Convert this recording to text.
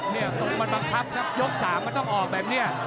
นี่ส่งมาบังคับครับยก๓มันต้องออกแบบนี้